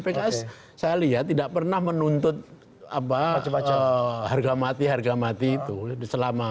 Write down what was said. pks saya lihat tidak pernah menuntut harga mati harga mati itu selama